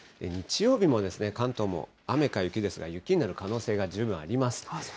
日曜日も関東も雨か雪ですが、雪になる可能性が十分あります。